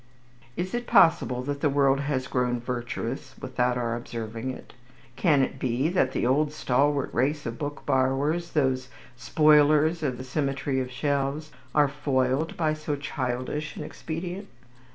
Is it possible that the world has grown virtuous without our observing it? Can it be that the old stalwart race of book borrowers, those "spoilers of the symmetry of shelves," are foiled by so childish an expedient?